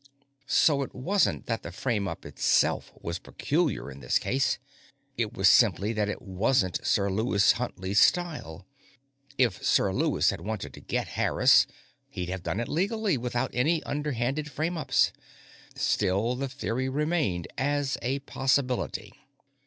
So it wasn't that the frame up in itself was peculiar in this case; it was simply that it wasn't Sir Lewis Huntley's style. If Sir Lewis had wanted to get Harris, he'd have done it legally, without any underhanded frame ups. Still, the theory remained as a possibility.